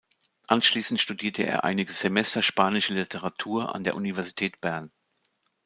Anschliessend studierte er einige Semester spanische Literatur an der Universität Bern.